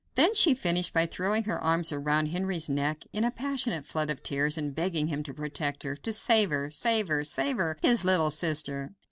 Then she finished by throwing her arms around Henry's neck in a passionate flood of tears and begging him to protect her to save her! save her! save her! his little sister.